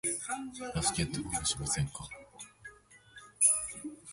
バスケットボールしませんか？